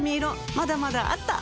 まだまだあった！